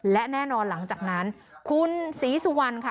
และแน่นอนหลังจากนั้นคุณศรีสุวรรณค่ะ